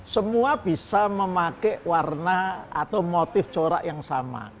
semua bisa memakai warna atau motif corak yang sama